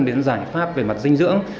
đến giải pháp về mặt dinh dưỡng